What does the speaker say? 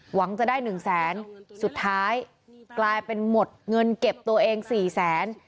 หวังจะได้หนึ่งแสนสุดท้ายกลายเป็นหมดเงินเก็บตัวเองสี่แสน